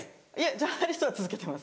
ジャーナリストは続けてます。